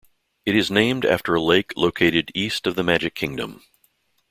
It is named after a lake located east of the Magic Kingdom.